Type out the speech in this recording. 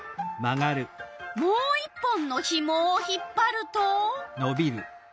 もう一本のひもを引っぱると。